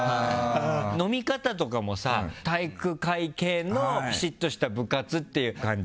飲み方とかもさ、体育会系のピシッとした部活って感じ？